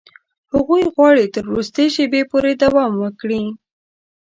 هغوی غواړي تر وروستي شېبې پورې دوام ورکړي.